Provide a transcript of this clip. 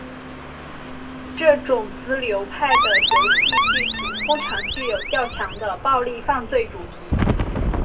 这种子流派的游戏剧情通常具有较强的暴力犯罪主题。